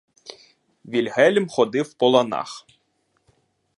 Вільгельм ходив по ланах.